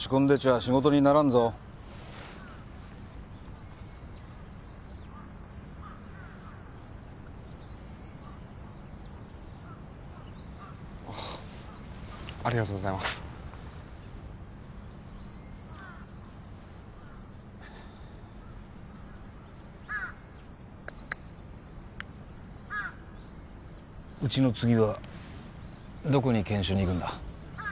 仕事にならんぞありがとうございますウチの次はどこに研修に行くんだ？